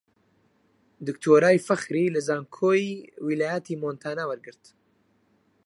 دکتۆرای فەخری لە زانکۆی ویلایەتی مۆنتانا وەرگرت